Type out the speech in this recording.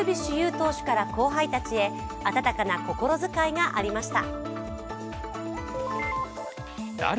投手から後輩たちへ温かな心遣いがありました。